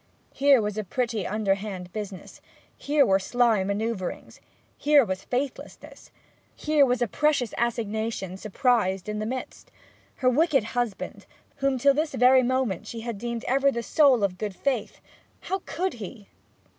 Here was a pretty underhand business! Here were sly manoeuvrings! Here was faithlessness! Here was a precious assignation surprised in the midst! Her wicked husband, whom till this very moment she had ever deemed the soul of good faith how could he!